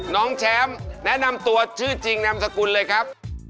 น้องแชมป์แนะนำตัวชื่อจริงนามสกุลเลยครับ